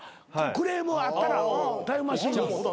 クレームあったらタイムマシーンに。